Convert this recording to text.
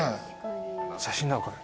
写真だろこれ。